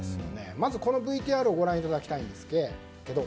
まず、このＶＴＲをご覧いただきたいんです。